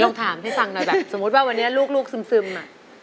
ถามให้ฟังหน่อยแบบสมมุติว่าวันนี้ลูกซึม